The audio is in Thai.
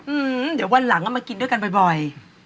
อืมเดี๋ยววันหลังเอามากินด้วยกันบ่อย